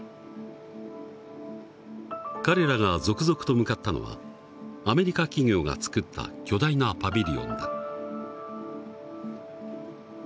彼らが続々と向かったのはアメリカ企業が造った巨大なパビリオンだ。